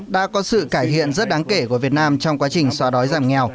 đã có sự cải thiện rất đáng kể của việt nam trong quá trình xóa đói giảm nghèo